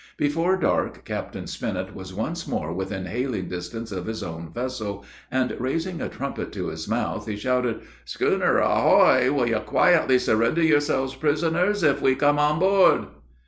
Before dark, Captain Spinnet was once more within hailing distance of his own vessel, and raising a trumpet to his mouth, he shouted: "Schooner ahoy! Will you quietly surrender yourselves prisoners, if we come on board!"